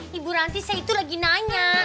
hei ibu ranti saya itu lagi nanya